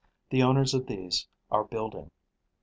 The owners of these are building.